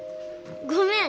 ごめん。